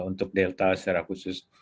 untuk delta secara khusus